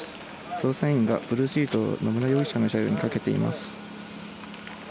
捜査員がブルーシートを野村容疑者の車両にかけています。